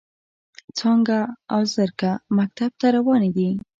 څانګه او زرکه مکتب ته روانې دي.